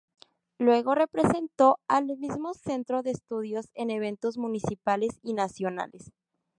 Luego representó al mismo centro de estudios en eventos municipales y nacionales.